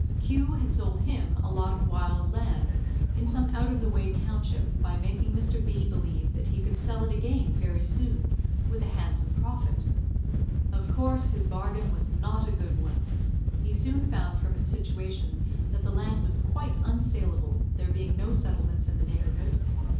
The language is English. Q had sold him a lot of wild land in some out of the way township, by making Mr. B believe that he could sell it again very soon, with a handsome profit. Of course his bargain was not a good one. He soon found from its situation that the land was quite unsaleable, there being no settlements in the neighbourhood.